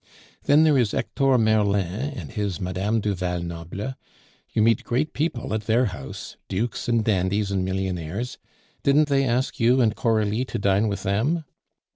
Then there is Hector Merlin and his Mme. du Val Noble; you meet great people at their house dukes and dandies and millionaires; didn't they ask you and Coralie to dine with them?"